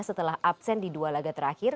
setelah absen di dua laga terakhir